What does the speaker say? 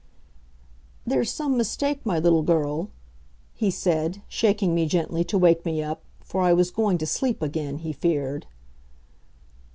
"There's some mistake, my little girl," he said, shaking me gently to wake me up, for I was going to sleep again, he feared.